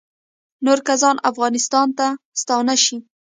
نور کسان افغانستان ته ستانه شي